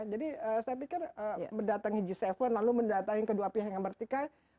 jadi saya pikir mendatangi g tujuh lalu mendatangi kedua pihak yang vertikal